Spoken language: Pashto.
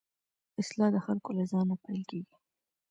اصلاح د خلکو له ځان نه پيل کېږي.